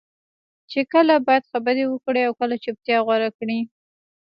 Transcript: چې کله باید خبرې وکړې او کله چپتیا غوره کړې.